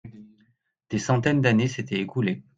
Des centaines d’années s’étaient écoulées.